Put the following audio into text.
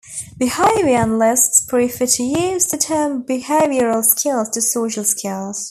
Behavior analysts prefer to use the term behavioral skills to social skills.